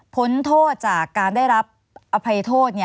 พ้นโทษจากการได้รับอภัยโทษ